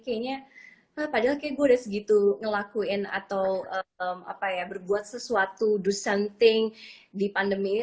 kayaknya padahal kayaknya gue udah segitu ngelakuin atau berbuat sesuatu dissenting di pandemi ini